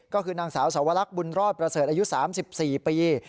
ก็คือนางสาวสวรรคบุญรอดประเสริฐอายุ๓๔ปี